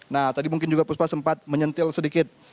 nah tadi mungkin juga puspa sempat menyentil sedikit